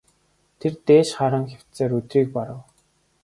Тэр дээш харан хэвтсээр өдрийг барав.